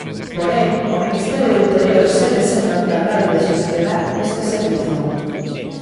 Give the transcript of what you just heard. Porén, o Ministerio do Interior segue sendo o encargado de xestionar este servizo.